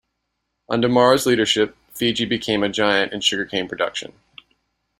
Under Mara's leadership, Fiji became a giant in sugarcane production.